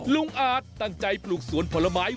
อาจตั้งใจปลูกสวนผลไม้